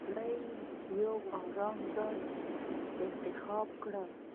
لومړی يو ارام ځای انتخاب کړئ.